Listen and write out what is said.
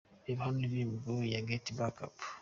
Reba hano indirimbo Get Back Up.